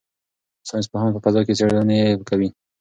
ساینس پوهان په فضا کې څېړنې کوي.